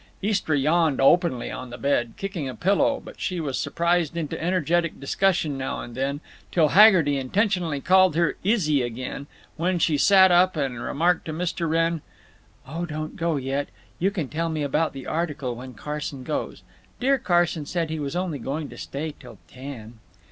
Istra yawned openly on the bed, kicking a pillow, but she was surprised into energetic discussion now and then, till Haggerty intentionally called her Izzy again, when she sat up and remarked to Mr. Wrenn: "Oh, don't go yet. You can tell me about the article when Carson goes. Dear Carson said he was only going to stay till ten."